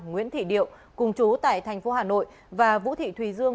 nguyễn thị điệu cùng chú tại tp hcm và vũ thị thùy dương